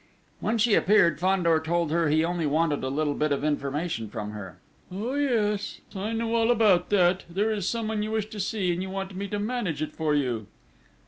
When she appeared, Fandor told her he only wanted a little bit of information from her. "Oh, yes, I know all about that! There is someone you wish to see, and you want me to manage it for you!"